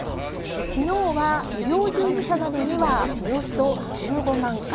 きのうは医療従事者などにはおよそ１５万回。